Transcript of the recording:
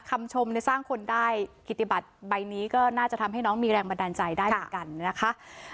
คำชมในสร้างคนได้กิติบัตรใบนี้ก็น่าจะทำให้น้องมีแรงบันดาลใจได้เหมือนกันนะคะ